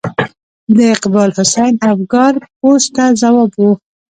د اقبال حسین افګار پوسټ ته ځواب و.